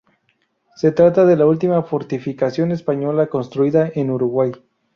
Se trata de la última fortificación española construida en Uruguay.